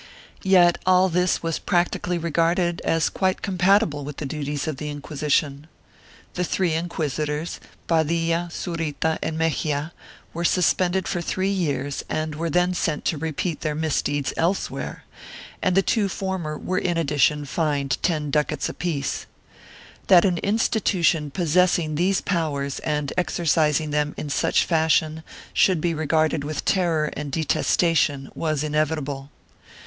Yet all this was practically regarded as quite compatible with the duties of the Inquisition. The three inquisitors, Padilla, Zurita and Mexia, were suspended for three years and were then sent to repeat their misdeeds elsewhere and the two former were in addition fined ten ducats apiece.1 That an institution possessing these powers and exercising them in such fashion, should be regarded with terror and detestation was inevitable.